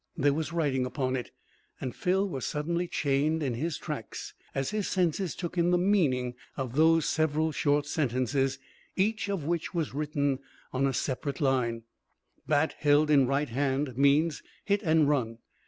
There was writing upon it, and Phil was suddenly chained in his tracks as his senses took in the meaning of those several short sentences, each of which was written on a separate line: "Bat held in right hand means hit and run.